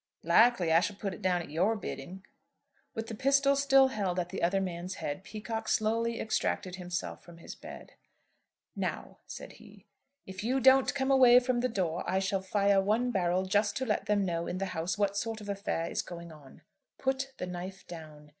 "Likely I shall put it down at your bidding." With the pistol still held at the other man's head, Peacocke slowly extracted himself from his bed. "Now," said he, "if you don't come away from the door I shall fire one barrel just to let them know in the house what sort of affair is going on. Put the knife down.